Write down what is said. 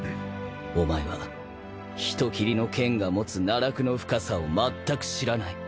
お前は人斬りの剣が持つ奈落の深さをまったく知らない。